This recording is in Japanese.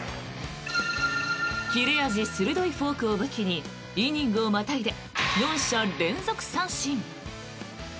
切れ味鋭いフォークを武器にイニングをまたいで４者連続三振。